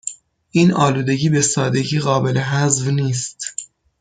این آلودگی به سادگی قابل حذف نیست